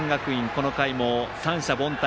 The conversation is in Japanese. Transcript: この回も三者凡退。